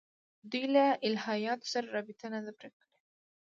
دوی له الهیاتو سره رابطه نه ده پرې کړې.